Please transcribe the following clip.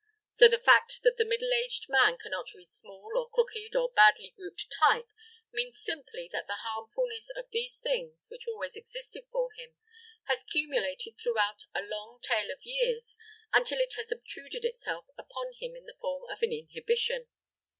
So the fact that the middle aged man cannot read small, or crooked, or badly grouped type means simply that the harmfulness of these things, which always existed for him, has cumulated throughout a long tale of years until it has obtruded itself upon him in the form of an inhibition.